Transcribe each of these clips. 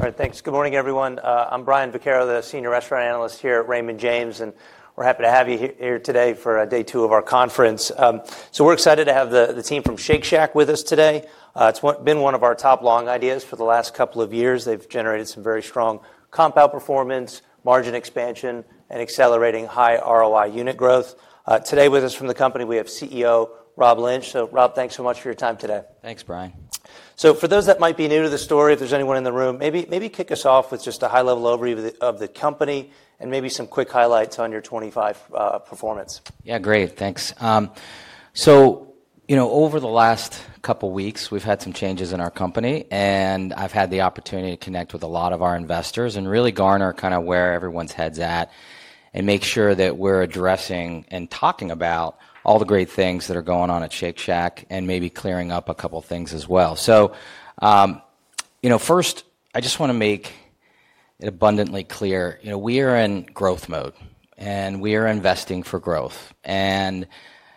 All right, thanks. Good morning, everyone. I'm Brian Vaccaro, the Senior Restaurant Analyst here at Raymond James, and we're happy to have you here today for day two of our conference. So we're excited to have the team from Shake Shack with us today. It's been one of our top long ideas for the last couple of years. They've generated some very strong compound performance, margin expansion, and accelerating high ROI unit growth. Today with us from the company, we have CEO Rob Lynch. So Rob, thanks so much for your time today. Thanks, Brian. So for those that might be new to the story, if there's anyone in the room, maybe kick us off with just a high-level overview of the company and maybe some quick highlights on your 2025 performance. Yeah, great, thanks. So over the last couple of weeks, we've had some changes in our company, and I've had the opportunity to connect with a lot of our investors and really garner kind of where everyone's heads at and make sure that we're addressing and talking about all the great things that are going on at Shake Shack and maybe clearing up a couple of things as well. So first, I just want to make it abundantly clear. We are in growth mode, and we are investing for growth. And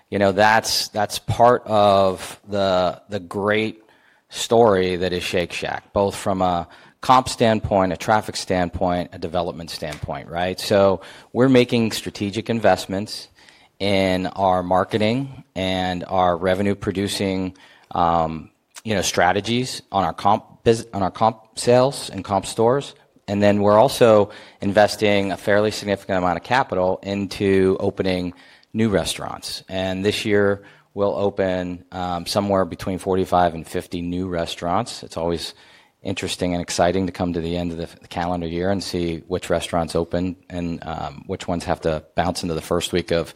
that's part of the great story that is Shake Shack, both from a comp standpoint, a traffic standpoint, a development standpoint, right? So we're making strategic investments in our marketing and our revenue-producing strategies on our comp sales and comp stores. And then we're also investing a fairly significant amount of capital into opening new restaurants. This year, we'll open somewhere between 45 and 50 new restaurants. It's always interesting and exciting to come to the end of the calendar year and see which restaurants open and which ones have to bounce into the first week of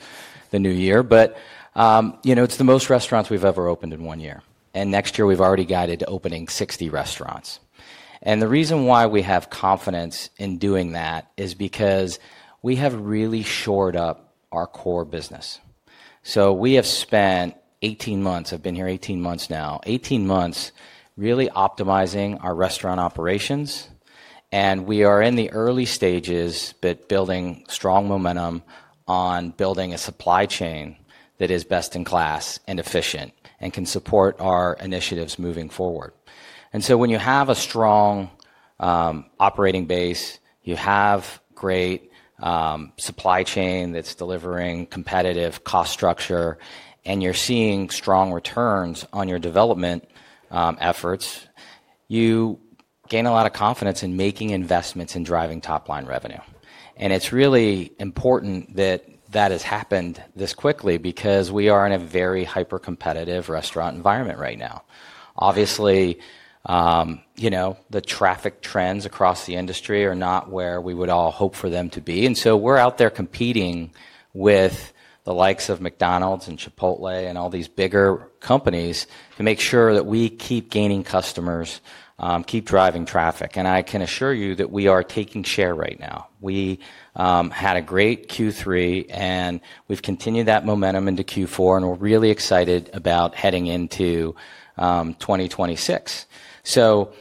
the new year. But it's the most restaurants we've ever opened in one year. Next year, we've already guided to opening 60 restaurants. The reason why we have confidence in doing that is because we have really shored up our core business. We have spent 18 months. I've been here 18 months now, 18 months really optimizing our restaurant operations. We are in the early stages but building strong momentum on building a supply chain that is best in class and efficient and can support our initiatives moving forward. And so when you have a strong operating base, you have great supply chain that's delivering competitive cost structure, and you're seeing strong returns on your development efforts, you gain a lot of confidence in making investments in driving top-line revenue. And it's really important that that has happened this quickly because we are in a very hyper-competitive restaurant environment right now. Obviously, the traffic trends across the industry are not where we would all hope for them to be. And so we're out there competing with the likes of McDonald's and Chipotle and all these bigger companies to make sure that we keep gaining customers, keep driving traffic. And I can assure you that we are taking share right now. We had a great Q3, and we've continued that momentum into Q4, and we're really excited about heading into 2026. So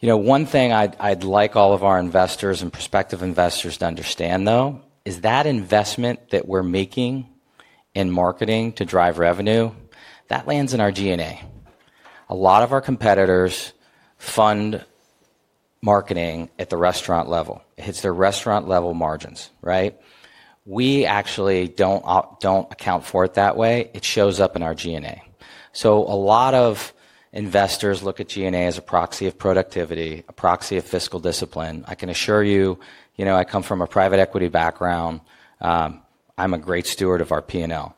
one thing I'd like all of our investors and prospective investors to understand, though, is that investment that we're making in marketing to drive revenue, that lands in our G&A. A lot of our competitors fund marketing at the restaurant level. It hits their restaurant-level margins, right? We actually don't account for it that way. It shows up in our G&A. So a lot of investors look at G&A as a proxy of productivity, a proxy of fiscal discipline. I can assure you, I come from a private equity background. I'm a great steward of our P&L.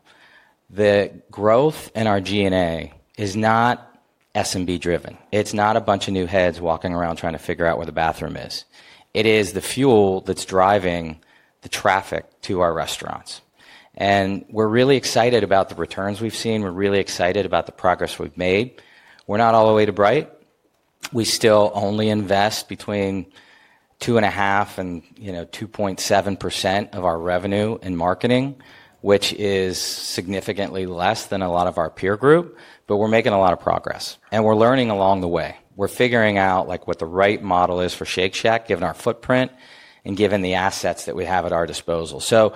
The growth in our G&A is not S&B-driven. It's not a bunch of new heads walking around trying to figure out where the bathroom is. It is the fuel that's driving the traffic to our restaurants. And we're really excited about the returns we've seen. We're really excited about the progress we've made. We're not all the way to bright. We still only invest between 2.5% and 2.7% of our revenue in marketing, which is significantly less than a lot of our peer group, but we're making a lot of progress, and we're learning along the way. We're figuring out what the right model is for Shake Shack, given our footprint and given the assets that we have at our disposal. So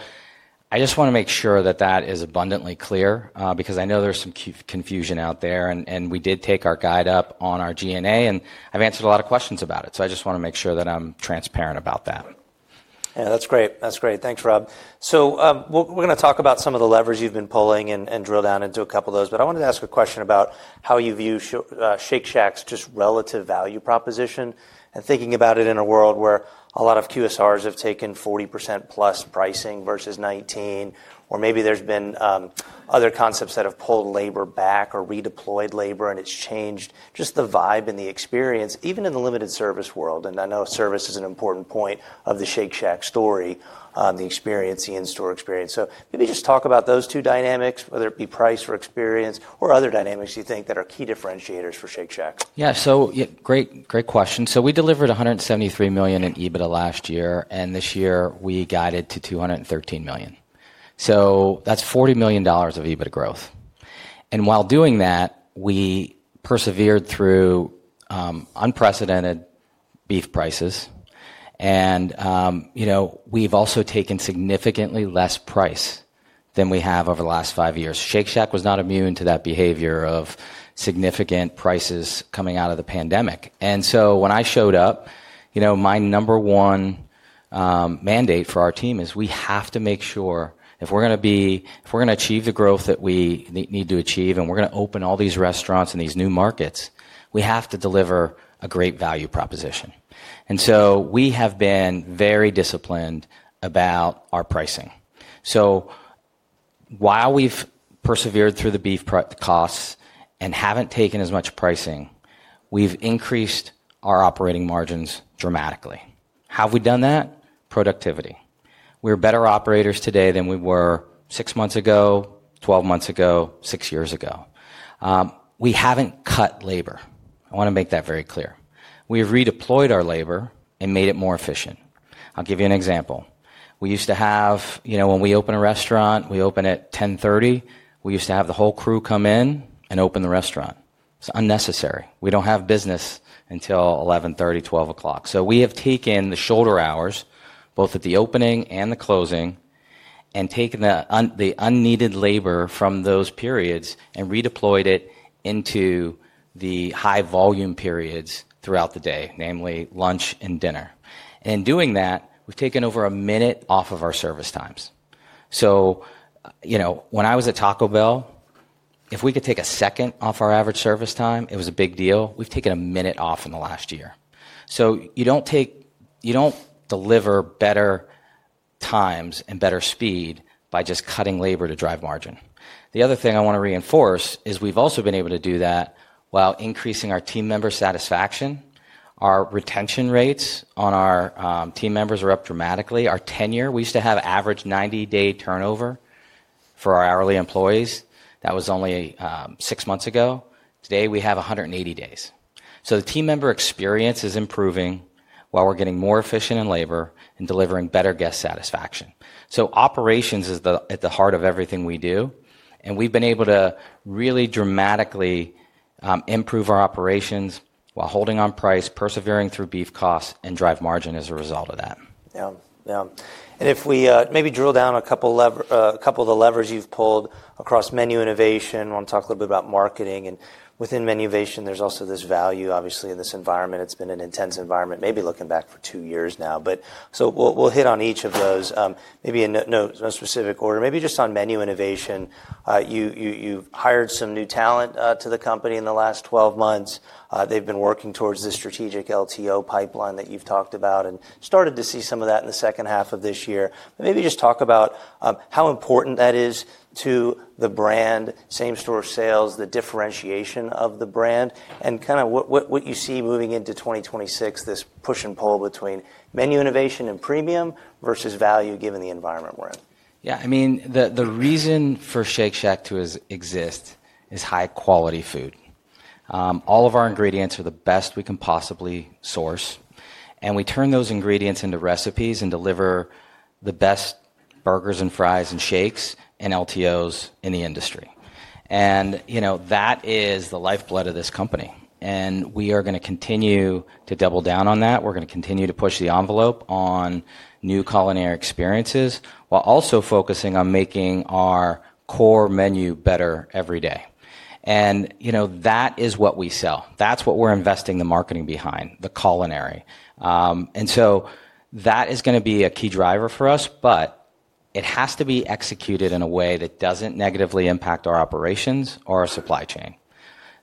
I just want to make sure that that is abundantly clear because I know there's some confusion out there, and we did take our guidance up on our G&A, and I've answered a lot of questions about it. So I just want to make sure that I'm transparent about that. Yeah, that's great. That's great. Thanks, Rob. So we're going to talk about some of the levers you've been pulling and drill down into a couple of those. But I wanted to ask a question about how you view Shake Shack's just relative value proposition and thinking about it in a world where a lot of QSRs have taken 40% plus pricing versus 19%, or maybe there's been other concepts that have pulled labor back or redeployed labor, and it's changed just the vibe and the experience, even in the limited-service world. And I know service is an important point of the Shake Shack story, the experience, the in-store experience. So maybe just talk about those two dynamics, whether it be price or experience or other dynamics you think that are key differentiators for Shake Shack. Yeah, so great question. So we delivered $173 million in EBITDA last year, and this year we guided to $213 million. So that's $40 million of EBITDA growth. And while doing that, we persevered through unprecedented beef prices. And we've also taken significantly less price than we have over the last five years. Shake Shack was not immune to that behavior of significant prices coming out of the pandemic. And so when I showed up, my number one mandate for our team is we have to make sure if we're going to achieve the growth that we need to achieve and we're going to open all these restaurants and these new markets, we have to deliver a great value proposition. And so we have been very disciplined about our pricing. So while we've persevered through the beef costs and haven't taken as much pricing, we've increased our operating margins dramatically. How have we done that? Productivity. We're better operators today than we were six months ago, twelve months ago, six years ago. We haven't cut labor. I want to make that very clear. We've redeployed our labor and made it more efficient. I'll give you an example. We used to have, when we open a restaurant, we open at 10:30 A.M. We used to have the whole crew come in and open the restaurant. It's unnecessary. We don't have business until 11:30 A.M., 12 o'clock. So we have taken the shoulder hours, both at the opening and the closing, and taken the unneeded labor from those periods and redeployed it into the high-volume periods throughout the day, namely lunch and dinner, and in doing that, we've taken over a minute off of our service times. So when I was at Taco Bell, if we could take a second off our average service time, it was a big deal. We've taken a minute off in the last year. So you don't deliver better times and better speed by just cutting labor to drive margin. The other thing I want to reinforce is we've also been able to do that while increasing our team member satisfaction. Our retention rates on our team members are up dramatically. Our tenure, we used to have average 90-day turnover for our hourly employees. That was only six months ago. Today, we have 180 days. So the team member experience is improving while we're getting more efficient in labor and delivering better guest satisfaction. So operations is at the heart of everything we do. We've been able to really dramatically improve our operations while holding on price, persevering through beef costs, and drive margin as a result of that. Yeah, yeah. And if we maybe drill down a couple of the levers you've pulled across menu innovation, want to talk a little bit about marketing. And within menu innovation, there's also this value, obviously, in this environment. It's been an intense environment, maybe looking back for two years now. But so we'll hit on each of those, maybe in no specific order. Maybe just on menu innovation, you've hired some new talent to the company in the last 12 months. They've been working towards this strategic LTO pipeline that you've talked about and started to see some of that in the second half of this year. Maybe just talk about how important that is to the brand, same-store sales, the differentiation of the brand, and kind of what you see moving into 2026, this push and pull between menu innovation and premium versus value given the environment we're in. Yeah, I mean, the reason for Shake Shack to exist is high-quality food. All of our ingredients are the best we can possibly source, and we turn those ingredients into recipes and deliver the best burgers and fries and shakes and LTOs in the industry, and that is the lifeblood of this company, and we are going to continue to double down on that. We're going to continue to push the envelope on new culinary experiences while also focusing on making our core menu better every day, and that is what we sell. That's what we're investing the marketing behind, the culinary, and so that is going to be a key driver for us, but it has to be executed in a way that doesn't negatively impact our operations or our supply chain,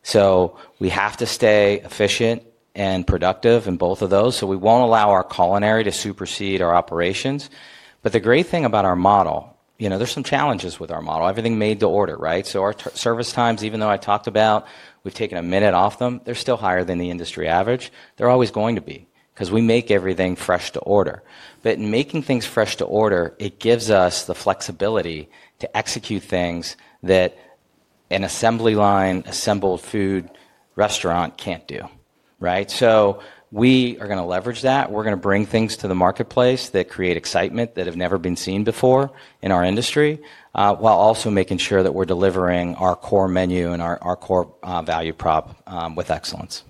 so we have to stay efficient and productive in both of those. So we won't allow our culinary to supersede our operations. But the great thing about our model, there's some challenges with our model. Everything made to order, right? So our service times, even though I talked about we've taken a minute off them, they're still higher than the industry average. They're always going to be because we make everything fresh to order. But in making things fresh to order, it gives us the flexibility to execute things that an assembly line, assembled food restaurant can't do, right? So we are going to leverage that. We're going to bring things to the marketplace that create excitement that have never been seen before in our industry while also making sure that we're delivering our core menu and our core value prop with excellence.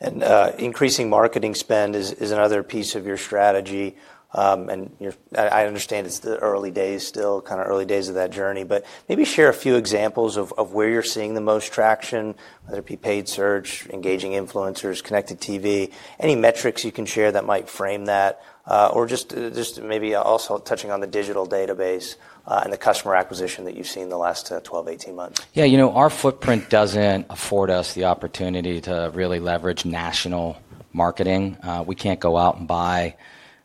Increasing marketing spend is another piece of your strategy. I understand it's the early days, still kind of early days of that journey. Maybe share a few examples of where you're seeing the most traction, whether it be paid search, engaging influencers, Connected TV, any metrics you can share that might frame that, or just maybe also touching on the digital database and the customer acquisition that you've seen the last 12, 18 months. Yeah, you know our footprint doesn't afford us the opportunity to really leverage national marketing. We can't go out and buy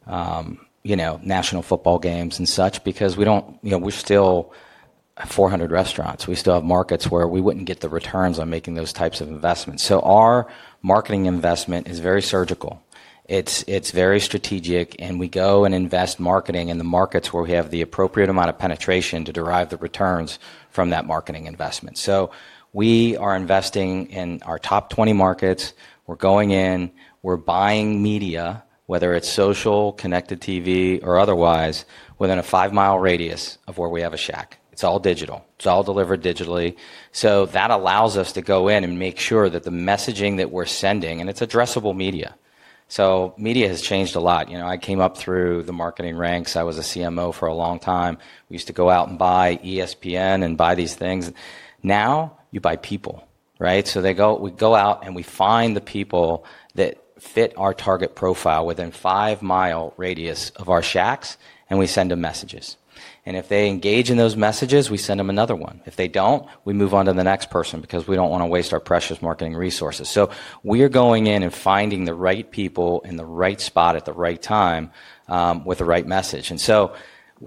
national football games and such because we're still 400 restaurants. We still have markets where we wouldn't get the returns on making those types of investments. So our marketing investment is very surgical. It's very strategic. And we go and invest marketing in the markets where we have the appropriate amount of penetration to derive the returns from that marketing investment. So we are investing in our top 20 markets. We're going in. We're buying media, whether it's social, Connected TV, or otherwise, within a five-mile radius of where we have a Shack. It's all digital. It's all delivered digitally. So that allows us to go in and make sure that the messaging that we're sending, and it's addressable media. So media has changed a lot. I came up through the marketing ranks. I was a CMO for a long time. We used to go out and buy ESPN and buy these things. Now you buy people, right? So we go out and we find the people that fit our target profile within a five-mile radius of our Shacks, and we send them messages. And if they engage in those messages, we send them another one. If they don't, we move on to the next person because we don't want to waste our precious marketing resources. So we are going in and finding the right people in the right spot at the right time with the right message. And so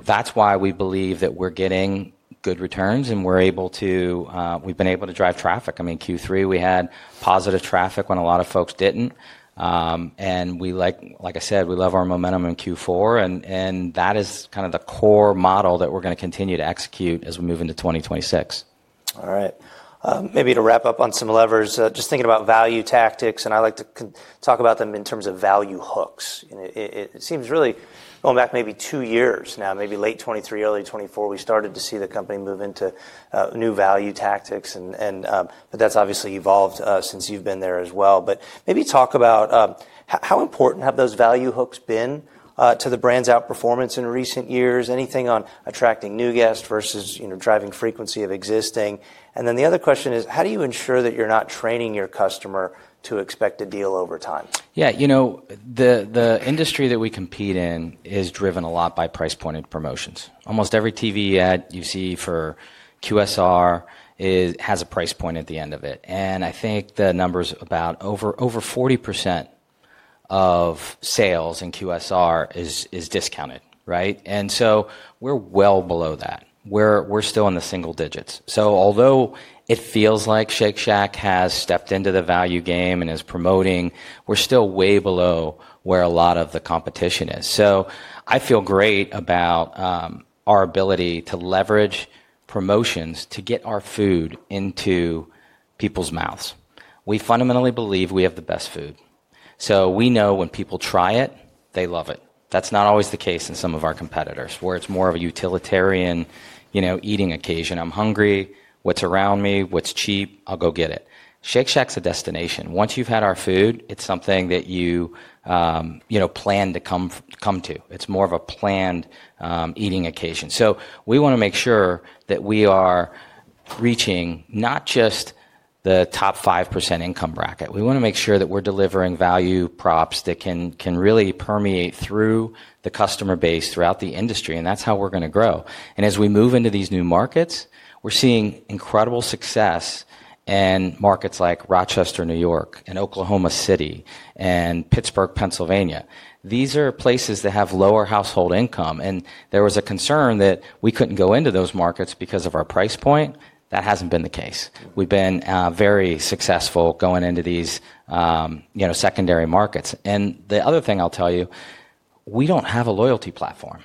that's why we believe that we're getting good returns and we're able to, we've been able to drive traffic. I mean, Q3, we had positive traffic when a lot of folks didn't. Like I said, we love our momentum in Q4. That is kind of the core model that we're going to continue to execute as we move into 2026. All right. Maybe to wrap up on some levers, just thinking about value tactics, and I like to talk about them in terms of value hooks. It seems really going back maybe two years now, maybe late 2023, early 2024, we started to see the company move into new value tactics. But that's obviously evolved since you've been there as well. But maybe talk about how important have those value hooks been to the brand's outperformance in recent years? Anything on attracting new guests versus driving frequency of existing? And then the other question is, how do you ensure that you're not training your customer to expect a deal over time? Yeah, you know the industry that we compete in is driven a lot by price-pointed promotions. Almost every TV ad you see for QSR has a price point at the end of it, and I think the numbers about over 40% of sales in QSR is discounted, right, and so we're well below that. We're still in the single digits. So although it feels like Shake Shack has stepped into the value game and is promoting, we're still way below where a lot of the competition is, so I feel great about our ability to leverage promotions to get our food into people's mouths. We fundamentally believe we have the best food, so we know when people try it, they love it. That's not always the case in some of our competitors where it's more of a utilitarian eating occasion. I'm hungry. What's around me? What's cheap? I'll go get it. Shake Shack's a destination. Once you've had our food, it's something that you plan to come to. It's more of a planned eating occasion. So we want to make sure that we are reaching not just the top 5% income bracket. We want to make sure that we're delivering value props that can really permeate through the customer base throughout the industry. And that's how we're going to grow. And as we move into these new markets, we're seeing incredible success in markets like Rochester, New York, and Oklahoma City, and Pittsburgh, Pennsylvania. These are places that have lower household income. And there was a concern that we couldn't go into those markets because of our price point. That hasn't been the case. We've been very successful going into these secondary markets. And the other thing I'll tell you, we don't have a loyalty platform.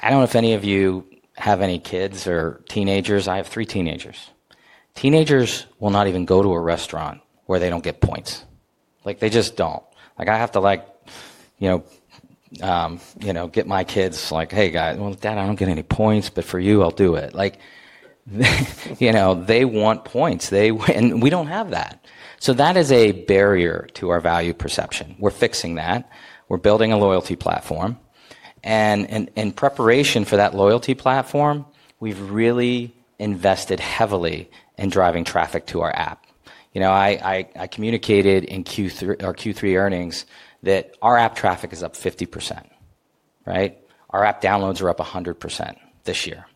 I don't know if any of you have any kids or teenagers. I have three teenagers. Teenagers will not even go to a restaurant where they don't get points. They just don't. I have to get my kids like, "Hey, Dad, I don't get any points, but for you, I'll do it." They want points. And we don't have that. So that is a barrier to our value perception. We're fixing that. We're building a loyalty platform. And in preparation for that loyalty platform, we've really invested heavily in driving traffic to our app. I communicated in Q3 earnings that our app traffic is up 50%, right? Our app downloads are up 100% this year.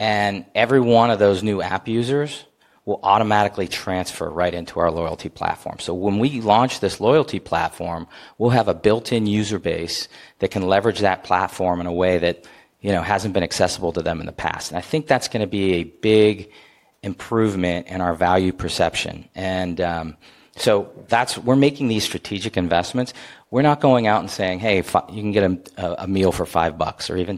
And every one of those new app users will automatically transfer right into our loyalty platform. So when we launch this loyalty platform, we'll have a built-in user base that can leverage that platform in a way that hasn't been accessible to them in the past. And I think that's going to be a big improvement in our value perception. And so we're making these strategic investments. We're not going out and saying, "Hey, you can get a meal for $5 or even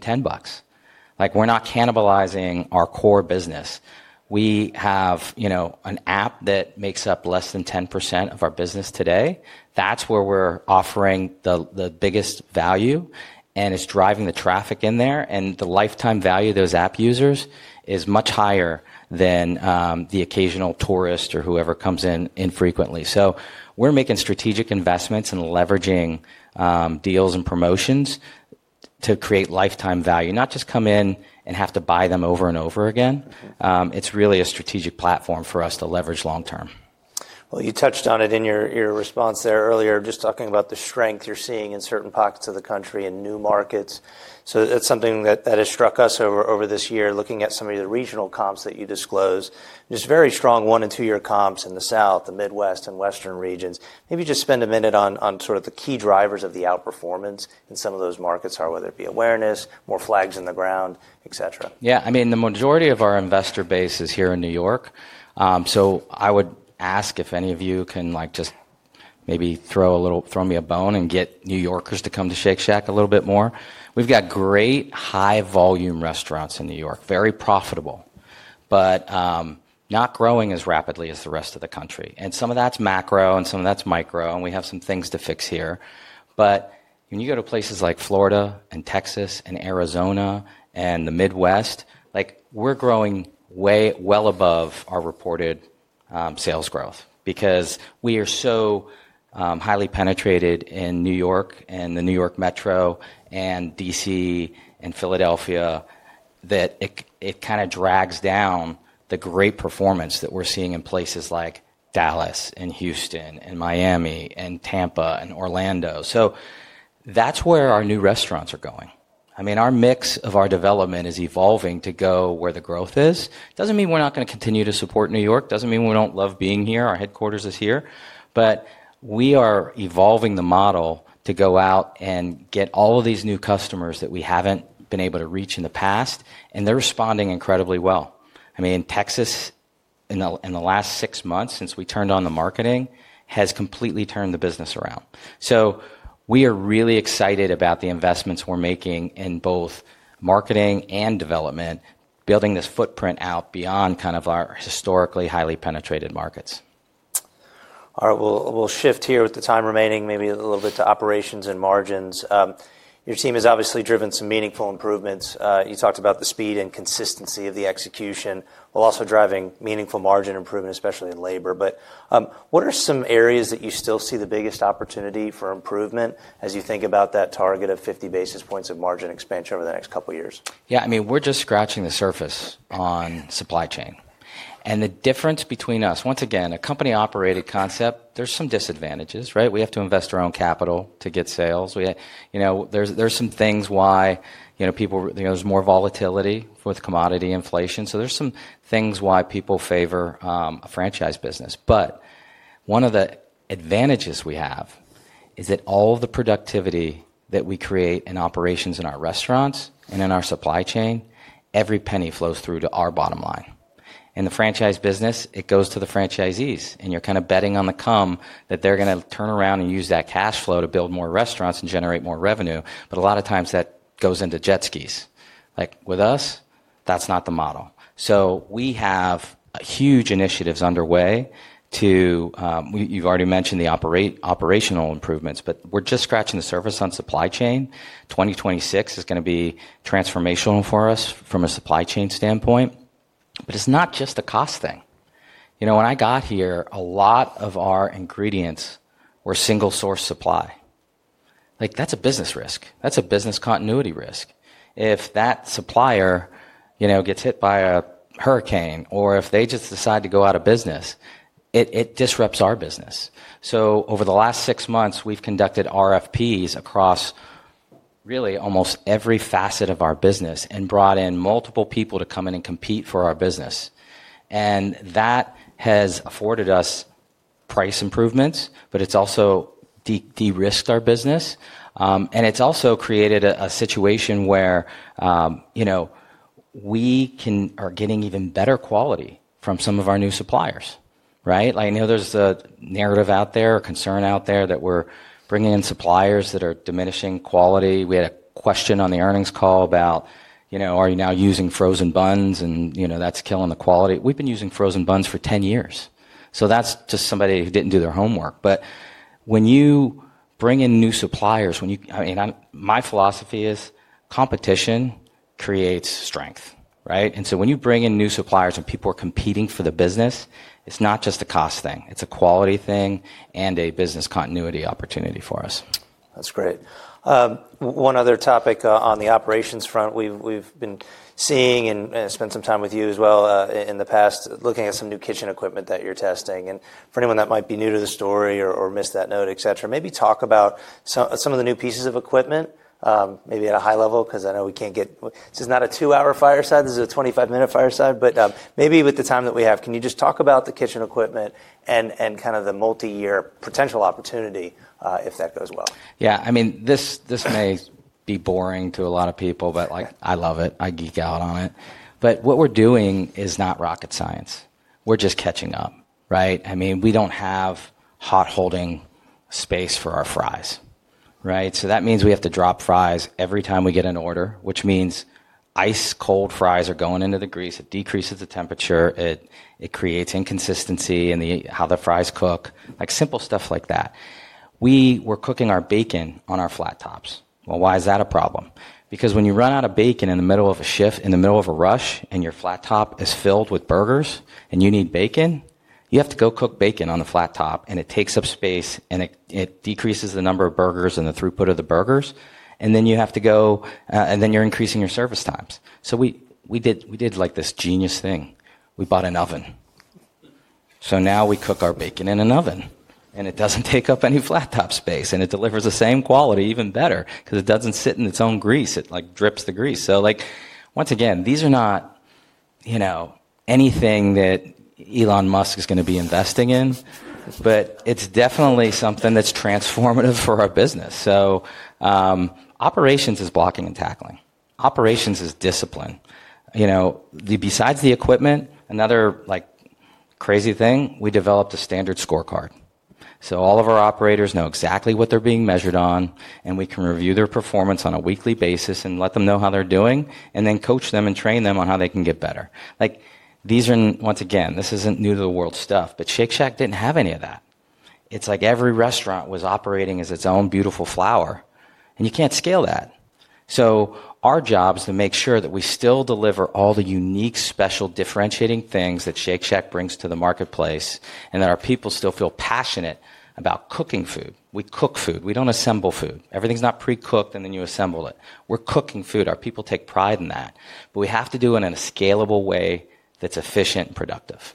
$10." We're not cannibalizing our core business. We have an app that makes up less than 10% of our business today. That's where we're offering the biggest value. And it's driving the traffic in there. And the lifetime value of those app users is much higher than the occasional tourist or whoever comes in infrequently. So we're making strategic investments and leveraging deals and promotions to create lifetime value, not just come in and have to buy them over and over again. It's really a strategic platform for us to leverage long-term. You touched on it in your response there earlier, just talking about the strength you're seeing in certain pockets of the country and new markets. So that's something that has struck us over this year, looking at some of your regional comps that you disclose, just very strong one- and two-year comps in the South, the Midwest, and Western regions. Maybe just spend a minute on sort of the key drivers of the outperformance in some of those markets, whether it be awareness, more flags in the ground, et cetera. Yeah, I mean, the majority of our investor base is here in New York. So I would ask if any of you can just maybe throw me a bone and get New Yorkers to come to Shake Shack a little bit more. We've got great high-volume restaurants in New York, very profitable, but not growing as rapidly as the rest of the country. And some of that's macro and some of that's micro. And we have some things to fix here. But when you go to places like Florida and Texas and Arizona and the Midwest, we're growing well above our reported sales growth because we are so highly penetrated in New York and the New York Metro and DC and Philadelphia that it kind of drags down the great performance that we're seeing in places like Dallas and Houston and Miami and Tampa and Orlando. So that's where our new restaurants are going. I mean, our mix of our development is evolving to go where the growth is. It doesn't mean we're not going to continue to support New York. It doesn't mean we don't love being here. Our headquarters is here. But we are evolving the model to go out and get all of these new customers that we haven't been able to reach in the past. And they're responding incredibly well. I mean, Texas in the last six months since we turned on the marketing has completely turned the business around. So we are really excited about the investments we're making in both marketing and development, building this footprint out beyond kind of our historically highly penetrated markets. All right, we'll shift here with the time remaining, maybe a little bit to operations and margins. Your team has obviously driven some meaningful improvements. You talked about the speed and consistency of the execution, while also driving meaningful margin improvement, especially in labor. But what are some areas that you still see the biggest opportunity for improvement as you think about that target of 50 basis points of margin expansion over the next couple of years? Yeah, I mean, we're just scratching the surface on supply chain. And the difference between us, once again, a company-operated concept, there's some disadvantages, right? We have to invest our own capital to get sales. There's some things why there's more volatility with commodity inflation. So there's some things why people favor a franchise business. But one of the advantages we have is that all of the productivity that we create in operations in our restaurants and in our supply chain, every penny flows through to our bottom line. In the franchise business, it goes to the franchisees. And you're kind of betting on the come that they're going to turn around and use that cash flow to build more restaurants and generate more revenue. But a lot of times that goes into jet skis. With us, that's not the model. We have huge initiatives underway to. You've already mentioned the operational improvements, but we're just scratching the surface on supply chain. 2026 is going to be transformational for us from a supply chain standpoint. But it's not just a cost thing. When I got here, a lot of our ingredients were single-source supply. That's a business risk. That's a business continuity risk. If that supplier gets hit by a hurricane or if they just decide to go out of business, it disrupts our business. So over the last six months, we've conducted RFPs across really almost every facet of our business and brought in multiple people to come in and compete for our business. And that has afforded us price improvements, but it's also de-risked our business. And it's also created a situation where we are getting even better quality from some of our new suppliers, right? There's a narrative out there or concern out there that we're bringing in suppliers that are diminishing quality. We had a question on the earnings call about, are you now using frozen buns? And that's killing the quality. We've been using frozen buns for 10 years. So that's just somebody who didn't do their homework. But when you bring in new suppliers, I mean, my philosophy is competition creates strength, right? And so when you bring in new suppliers and people are competing for the business, it's not just a cost thing. It's a quality thing and a business continuity opportunity for us. That's great. One other topic on the operations front, we've been seeing and spent some time with you as well in the past, looking at some new kitchen equipment that you're testing, and for anyone that might be new to the story or missed that note, et cetera, maybe talk about some of the new pieces of equipment, maybe at a high level, because I know we can't get, this is not a two-hour fireside. This is a 25-minute fireside, but maybe with the time that we have, can you just talk about the kitchen equipment and kind of the multi-year potential opportunity if that goes well? Yeah, I mean, this may be boring to a lot of people, but I love it. I geek out on it. But what we're doing is not rocket science. We're just catching up, right? I mean, we don't have hot holding space for our fries, right? So that means we have to drop fries every time we get an order, which means ice-cold fries are going into the grease. It decreases the temperature. It creates inconsistency in how the fries cook, simple stuff like that. We were cooking our bacon on our flat tops. Well, why is that a problem? Because when you run out of bacon in the middle of a shift, in the middle of a rush, and your flat top is filled with burgers and you need bacon, you have to go cook bacon on the flat top. And it takes up space and it decreases the number of burgers and the throughput of the burgers. And then you have to go, and then you're increasing your service times. So we did this genius thing. We bought an oven. So now we cook our bacon in an oven. And it doesn't take up any flat top space. And it delivers the same quality, even better, because it doesn't sit in its own grease. It drips the grease. So once again, these are not anything that Elon Musk is going to be investing in, but it's definitely something that's transformative for our business. So operations is blocking and tackling. Operations is discipline. Besides the equipment, another crazy thing, we developed a standard scorecard. So all of our operators know exactly what they're being measured on. We can review their performance on a weekly basis and let them know how they're doing and then coach them and train them on how they can get better. Once again, this isn't new to the world stuff, but Shake Shack didn't have any of that. It's like every restaurant was operating as its own beautiful flower. You can't scale that. Our job is to make sure that we still deliver all the unique, special, differentiating things that Shake Shack brings to the marketplace and that our people still feel passionate about cooking food. We cook food. We don't assemble food. Everything's not pre-cooked and then you assemble it. We're cooking food. Our people take pride in that. We have to do it in a scalable way that's efficient and productive.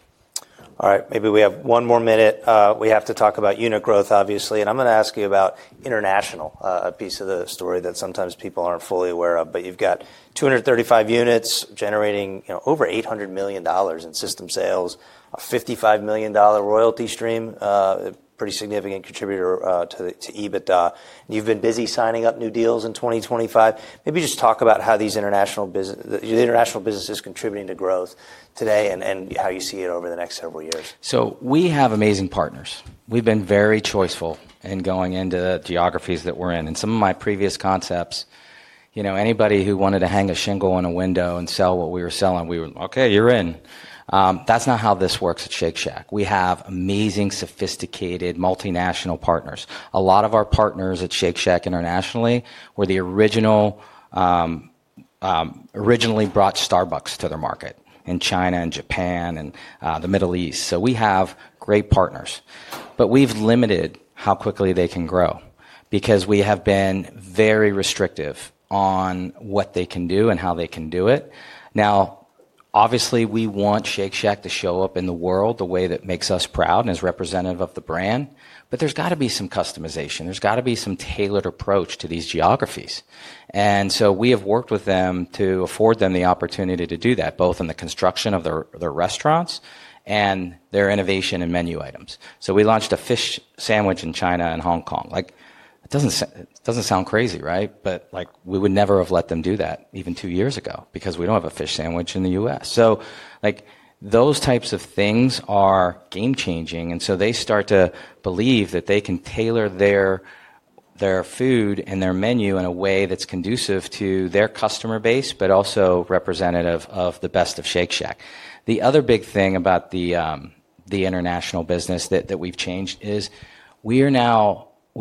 All right, maybe we have one more minute. We have to talk about unit growth, obviously. And I'm going to ask you about international, a piece of the story that sometimes people aren't fully aware of. But you've got 235 units generating over $800 million in system sales, a $55 million royalty stream, a pretty significant contributor to EBITDA. And you've been busy signing up new deals in 2025. Maybe just talk about how the international business is contributing to growth today and how you see it over the next several years. So we have amazing partners. We've been very choiceful in going into the geographies that we're in. And some of my previous concepts, anybody who wanted to hang a shingle on a window and sell what we were selling, we were, "Okay, you're in." That's not how this works at Shake Shack. We have amazing, sophisticated, multinational partners. A lot of our partners at Shake Shack internationally originally brought Starbucks to their market in China and Japan and the Middle East. So we have great partners. But we've limited how quickly they can grow because we have been very restrictive on what they can do and how they can do it. Now, obviously, we want Shake Shack to show up in the world the way that makes us proud and is representative of the brand. But there's got to be some customization. There's got to be some tailored approach to these geographies. And so we have worked with them to afford them the opportunity to do that, both in the construction of their restaurants and their innovation in menu items. So we launched a fish sandwich in China and Hong Kong. It doesn't sound crazy, right? But we would never have let them do that even two years ago because we don't have a fish sandwich in the U.S. So those types of things are game-changing. And so they start to believe that they can tailor their food and their menu in a way that's conducive to their customer base, but also representative of the best of Shake Shack. The other big thing about the international business that we've changed is we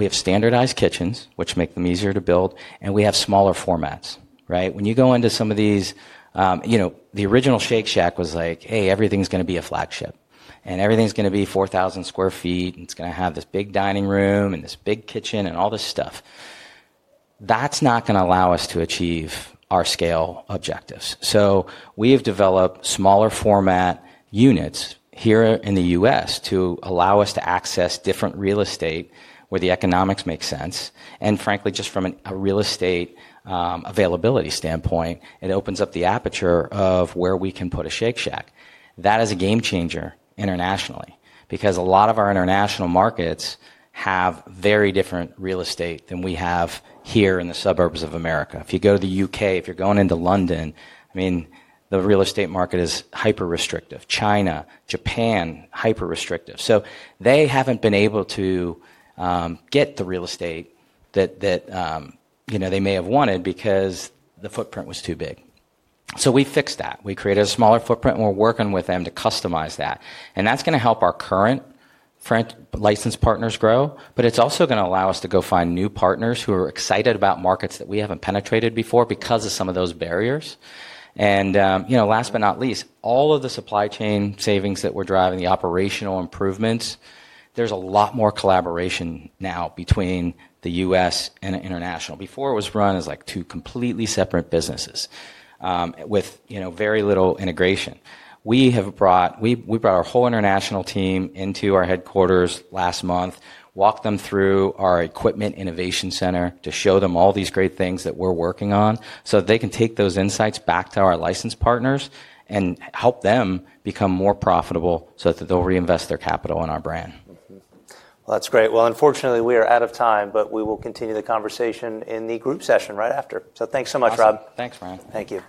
have standardized kitchens, which make them easier to build, and we have smaller formats, right? When you go into some of these, the original Shake Shack was like, "Hey, everything's going to be a flagship. And everything's going to be 4,000 square feet. And it's going to have this big dining room and this big kitchen and all this stuff." That's not going to allow us to achieve our scale objectives. So we have developed smaller format units here in the U.S. to allow us to access different real estate where the economics make sense. And frankly, just from a real estate availability standpoint, it opens up the aperture of where we can put a Shake Shack. That is a game changer internationally because a lot of our international markets have very different real estate than we have here in the suburbs of America. If you go to the U.K., if you're going into London, I mean, the real estate market is hyper-restrictive. China, Japan, hyper-restrictive. So they haven't been able to get the real estate that they may have wanted because the footprint was too big. So we fixed that. We created a smaller footprint. And we're working with them to customize that. And that's going to help our current licensed partners grow. But it's also going to allow us to go find new partners who are excited about markets that we haven't penetrated before because of some of those barriers. And last but not least, all of the supply chain savings that we're driving, the operational improvements. There's a lot more collaboration now between the U.S. and international. Before, it was run as two completely separate businesses with very little integration. We brought our whole international team into our headquarters last month, walked them through our equipment innovation center to show them all these great things that we're working on so they can take those insights back to our licensed partners and help them become more profitable so that they'll reinvest their capital in our brand. Well, that's great. Well, unfortunately, we are out of time, but we will continue the conversation in the group session right after. So thanks so much, Rob. Thanks, Brian. Thank you.